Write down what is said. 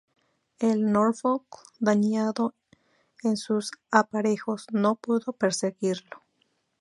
El "Norfolk", dañado en sus aparejos, no pudo perseguirlo.